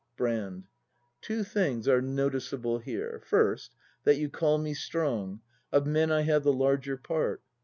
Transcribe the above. Brand. Two things are noticeable here. First, that you call me strong. Of men I have the larger part.